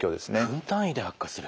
分単位で悪化する。